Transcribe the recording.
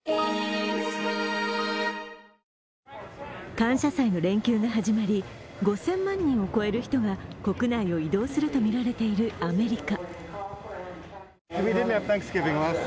感謝祭の連休が始まり５０００万人を超える人が国内を移動するとみられているアメリカ。